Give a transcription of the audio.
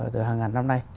từ hàng ngàn năm nay